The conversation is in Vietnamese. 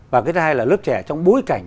và cái hai là lớp trẻ trong bối cảnh